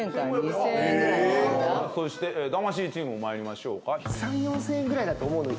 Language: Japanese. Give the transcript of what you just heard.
そして魂チームも参りましょうか。